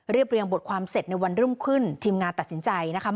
เรียงบทความเสร็จในวันรุ่งขึ้นทีมงานตัดสินใจนะคะ